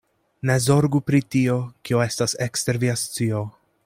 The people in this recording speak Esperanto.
Ne zorgu pri tio, kio estas ekster via scio.